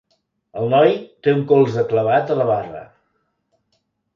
El noi té un colze clavat a la barra.